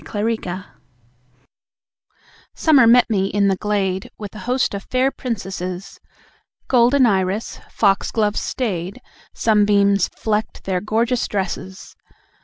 Summer met Me Summer met me in the glade, With a host of fair princesses, Golden iris, foxgloves staid, Sunbeams flecked their gorgeous dresses.